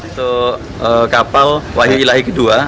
itu kapal wahyu ilahi dua